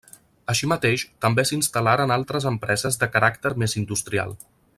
Així mateix també s'instal·laren altres empreses de caràcter més industrial.